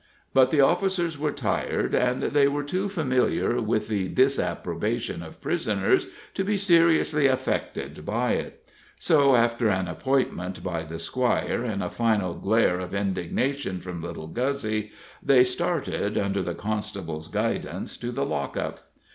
But the officers were tired, and they were too familiar with the disapprobation of prisoners to be seriously affected by it; so, after an appointment by the squire, and a final glare of indignation from little Guzzy, they started, under the constable's guidance, to the lock up.